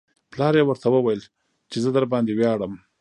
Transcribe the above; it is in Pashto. پلار یې ورته وویل چې زه درباندې ویاړم